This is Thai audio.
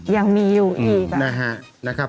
ยังมีอยู่อีก